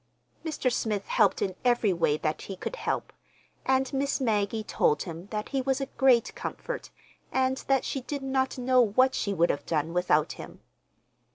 Mr. Smith helped in every way that he could help, and Miss Maggie told him that he was a great comfort, and that she did not know what she would have done without him.